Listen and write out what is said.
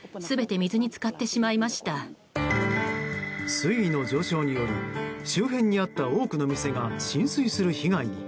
水位の上昇により周辺にあった多くの店が浸水する被害に。